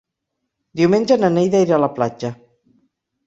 Diumenge na Neida irà a la platja.